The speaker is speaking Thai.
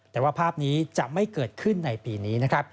แต่ว่าภาพนี้จะไม่เกิดขึ้นในปีนี้นะครับ